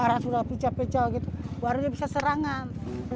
karena sudah pecah pecah gitu baru dia bisa serangan